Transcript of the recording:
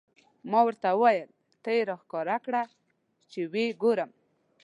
ما ورته وویل: ته یې را ښکاره کړه، چې و یې ګورم.